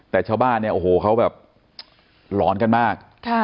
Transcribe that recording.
แต่ชาวบ้านเนี่ยโอ้โหเขาแบบหลอนกันมาก